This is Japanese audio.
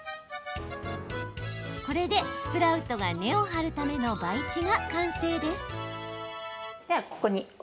これで、スプラウトが根を張るための培地が完成です。